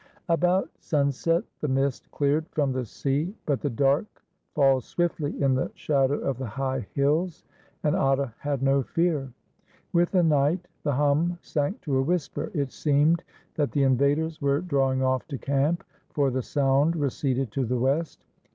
About sunset the mist cleared from the sea; but the dark falls swiftly in the shadow of the high hills, and Atta had no fear. With the night the hum sank to a whisper ; it seemed that the invaders were drawing off to camp, for the sound receded to the west.